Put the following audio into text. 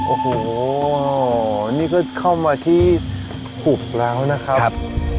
โอ้โหนี่ก็เข้ามาที่หุบแล้วนะครับ